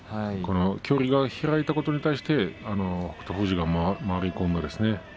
距離が開いたことに対して北勝富士が回り込みましたね。